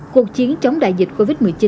cuộc chiến chống đại dịch covid một mươi chín